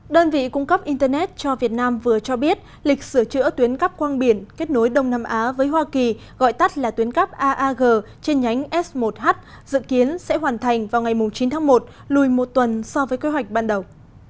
đơn vị cung cấp internet cho việt nam vừa cho biết lịch sửa chữa tuyến cắp quang biển kết nối đông nam á với hoa kỳ gọi tắt là tuyến cắp aag trên nhánh s một h dự kiến sẽ hoàn thành vào ngày chín tháng một lùi một tuần so với kế hoạch ban đầu